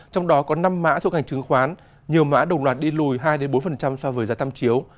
trong đó có năm mã thuộc hành chứng khoán nhiều mã đồng loạt đi lùi hai bốn so với giá tham chiếu